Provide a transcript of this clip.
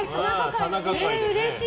うれしい。